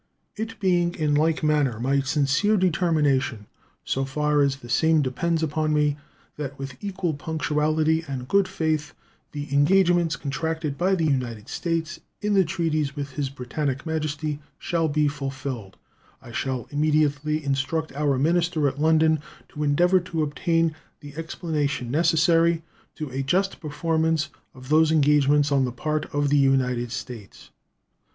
It being in like manner my sincere determination, so far as the same depends on me, that with equal punctuality and good faith the engagements contracted by the United States in their treaties with His Britannic Majesty shall be fulfilled, I shall immediately instruct our minister at London to endeavor to obtain the explanation necessary to a just performance of those engagements on the part of the United States.